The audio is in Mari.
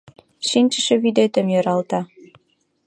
Шинчыше вӱдетым йӧралта